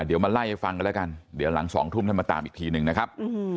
เดี๋ยวมาไล่ให้ฟังกันแล้วกันเดี๋ยวหลัง๒ทุ่มท่านมาตามอีกทีหนึ่งนะครับ